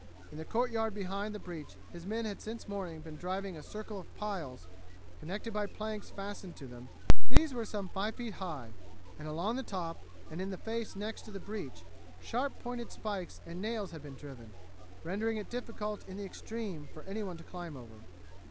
In the courtyard behind the breach his men had since morning been driving a circle of piles, connected by planks fastened to them. These were some five feet high, and along the top and in the face next to the breach sharp pointed spikes and nails had been driven, rendering it difficult in the extreme for anyone to climb over.